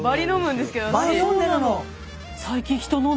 バリ飲んでんの。